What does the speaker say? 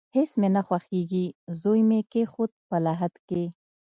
هیڅ مې نه خوښیږي، زوی مې کیښود په لحد کې